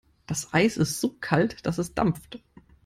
Das Eis ist so kalt, dass es dampft.